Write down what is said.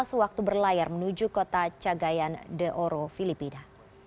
sewaktu berlayar menuju kota cagayan de oro filipina